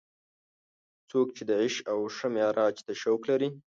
څوک چې د عیش او ښه معراج ته شوق لري.